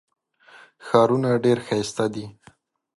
ښارونه ډېر ښایسته دي.